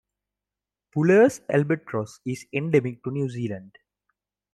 Buller's albatross is endemic to New Zealand.